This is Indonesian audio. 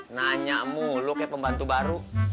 nanya mu lu kayak pembantu baru